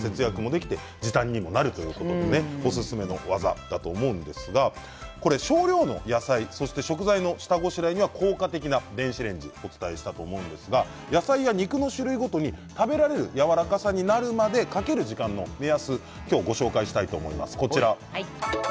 おすすめの技だと思うんですが少量の野菜、食材の下ごしらえには効果的な電子レンジ、お伝えしたと思うんですが野菜や肉の種類ごとに食べられるやわらかさになるまでかける時間の目安ご紹介したいと思います。